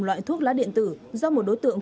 loại thuốc lá điện tử do một đối tượng